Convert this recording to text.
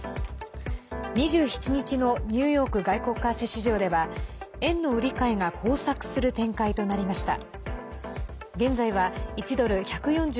２７日のニューヨーク外国為替市場では円の売り買いが交錯する展開となりました。